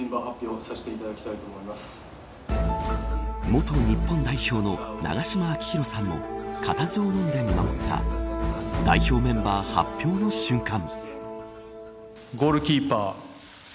元日本代表の永島昭浩さんも固唾をのんで見守った代表メンバー発表の瞬間。